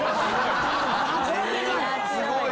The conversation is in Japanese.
すごいわ。